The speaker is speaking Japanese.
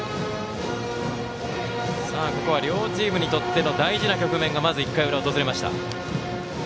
ここは両チームにとっての大事な局面がまず１回裏に訪れました。